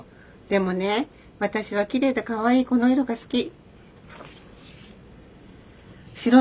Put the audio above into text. でもねわたしはきれいでかわいいこのいろがすき」。